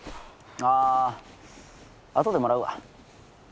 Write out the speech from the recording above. あ後でもらうわ。